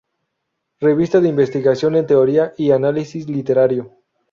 Revista de Investigación en Teoría y Análisis Literario".